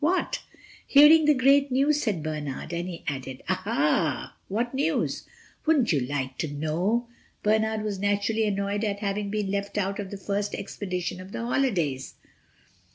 What?" "Hearing the great news," said Bernard, and he added, "Aha!" "What news?" "Wouldn't you like to know?" Bernard was naturally annoyed at having been left out of the first expedition of the holidays.